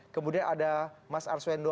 kemudian ada mas arswendo